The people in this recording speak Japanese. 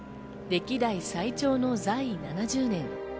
歴代最長の在位７０年。